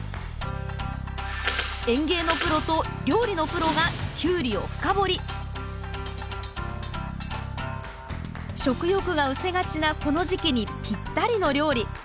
園芸のプロと料理のプロが食欲がうせがちなこの時期にぴったりの料理。